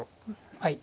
はい。